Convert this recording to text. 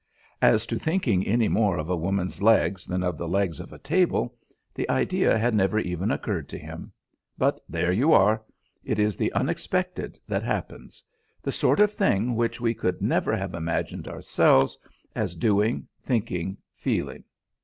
As to thinking any more of a woman's legs than of the legs of a table, the idea had never even occurred to him. But there you are! It is the unexpected that happens: the sort of thing which we could never have imagined ourselves as doing, thinking, feeling.